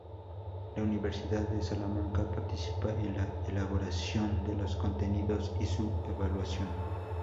La Universidad de Salamanca participa en la elaboración de los contenidos y su evaluación.